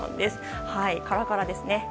カラカラですね。